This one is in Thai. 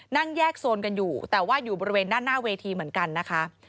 นั่งแยกโซนกันอยู่แต่ว่าอยู่บริเวณด้านหน้าเวทีเหมือนกันนะคะ